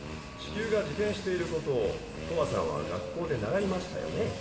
地球が自転している事をとわさんは学校で習いましたよね。